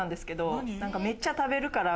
俺めっちゃ食べるから。